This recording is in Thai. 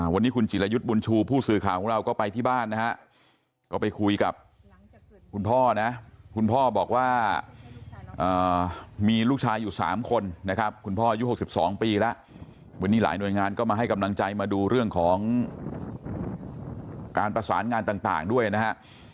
วันนี้คุณจิรยุทธ์บุญชูผู้สื่อข่าวของเราก็ไปที่บ้านนะฮะก็ไปคุยกับคุณพ่อนะคุณพ่อบอกว่ามีลูกชายอยู่๓คนนะครับคุณพ่ออายุ๖๒ปีแล้ววันนี้หลายหน่วยงานก็มาให้กำลังใจมาดูเรื่องของการประสานงานต่างด้วยนะฮะ